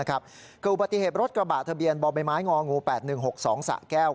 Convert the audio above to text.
คืออุปฏิเหตุรถกระบะทะเบียนบมง๘๑๖๒สะแก้ว